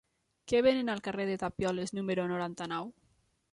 Què venen al carrer de Tapioles número noranta-nou?